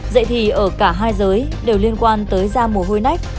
dạy thị ở cả hai giới đều liên quan tới da mồ hôi nách